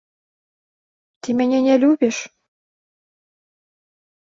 Ты мяне не любіш?